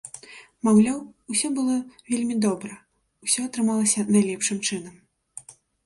Маўляў, усё было вельмі добра, усё атрымалася найлепшым чынам.